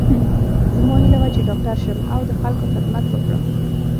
زما هیله وه چې ډاکټره شم او د خلکو خدمت وکړم